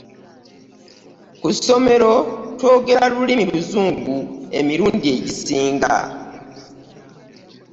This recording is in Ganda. Ku ssomero twogera lulimi luzungu emirundi egisinga?